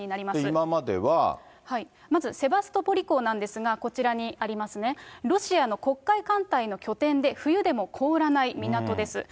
まずセバストポリ港なんですが、こちらにありますね、ロシアの黒海艦隊の拠点で冬でも凍らない港です。